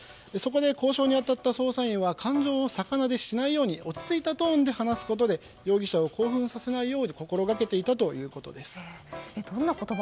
そこで、交渉に当たった捜査員は感情を逆なでしないように落ち着いたトーンで話すことで容疑者を興奮させないよう心掛けていたということです。